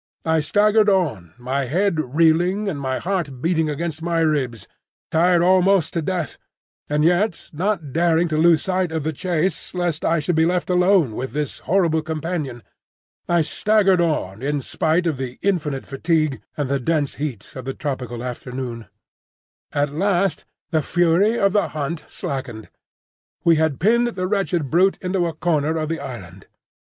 I staggered on, my head reeling and my heart beating against my ribs, tired almost to death, and yet not daring to lose sight of the chase lest I should be left alone with this horrible companion. I staggered on in spite of infinite fatigue and the dense heat of the tropical afternoon. At last the fury of the hunt slackened. We had pinned the wretched brute into a corner of the island.